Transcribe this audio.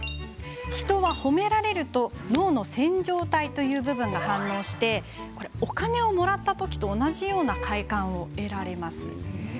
人は褒められると脳の線条体という部分が反応しお金をもらったときと同じような快感を得られます。